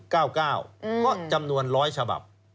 ก็จำนวนร้อยฉบับ